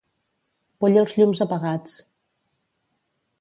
Vull els llums apagats.